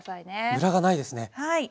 ムラがないですね。